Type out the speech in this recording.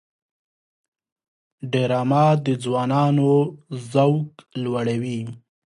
ډرامه د ځوانانو ذوق لوړوي